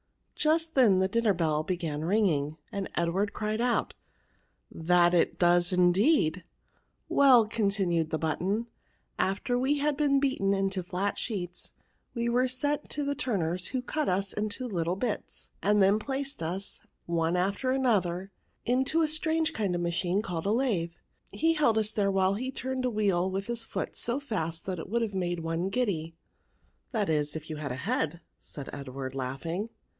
Just then the dinner bell began ringing, and Edward cried out, '^ That it does indeed. " Well," continued the button, after we had been beaten into flat sheets, we were tent to the turner's, who cut us into little bits, and then placed us, one after the other, into a strange kind of machine, called a lathe: he held us there while he turned a PRONOUNS. 181 wheel with his foot so fast that it would have made one giddy," ^' That is, if you had had a head," said £d* ward laughing.